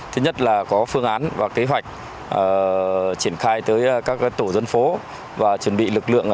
thứ nhất là có phương án và kế hoạch triển khai tới các tổ dân phố và chuẩn bị lực lượng